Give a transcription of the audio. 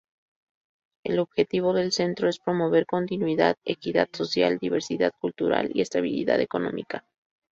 El objetivo del centro es promover continuidad, equidad social, diversidad cultural y estabilidad económica.